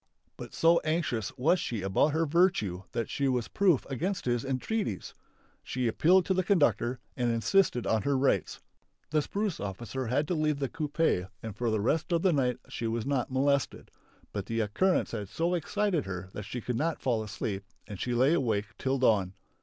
But so anxious was she about her virtue that she was proof against his entreaties. She appealed to the conductor and insisted on her rights. The spruce officer had to leave the coupé and for the rest of the night she was not molested. But the occurrence had so excited her that she could not fall asleep and she lay awake till dawn.